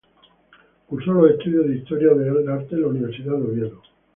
Cursó los estudios de Historia del Arte en la Universidad de Oviedo.